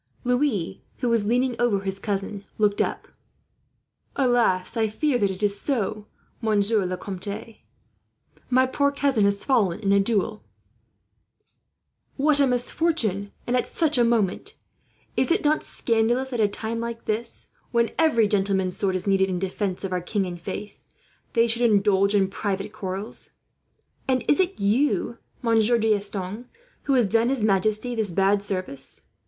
Louis, who was leaning over his cousin, looked up. "Alas! I fear that it is so, Monsieur le Comte. My poor cousin has fallen in a duel." "What a misfortune, and at such a moment! Is it not scandalous that, at a time like this, when every gentleman's sword is needed in defence of our king and faith, they should indulge in private quarrels? "And is it you, Monsieur D'Estanges, who has done his majesty this bad service?"